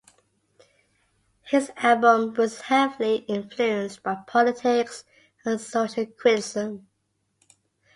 His album was heavily influenced by politics and social criticism.